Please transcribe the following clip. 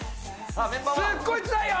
すごいつらいよ。